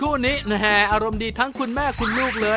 เอาไว้กิน